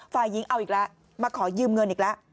ฝ่ายหญิงเอาอีกแล้วมาขอยืมเงินอีกแล้ว